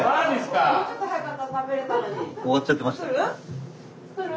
終わっちゃってました。